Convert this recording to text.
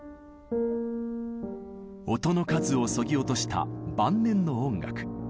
音の数をそぎ落とした晩年の音楽。